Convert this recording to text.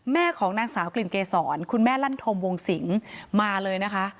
ของนางสาวกลิ่นเกษรคุณแม่ลั่นธมวงสิงมาเลยนะคะ